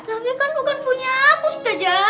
tapi kan bukan punya aku saja